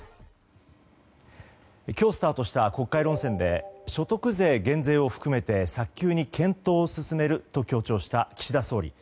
今日スタートした国会論戦で所得税減税を含めて早急に検討を進めると強調した岸田総理。